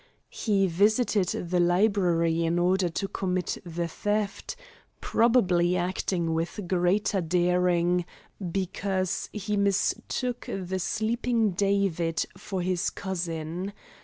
He visited the library in order to commit the theft, probably acting with greater daring because he mistook the sleeping David for his cousin.